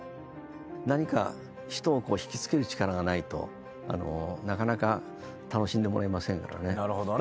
何か人を引きつける力がないとなかなか楽しんでもらえませんからね。